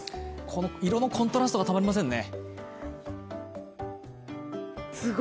この色のコントラストがたまりませんね。